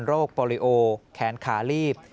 โรคโปเลโอแขนขาลีบ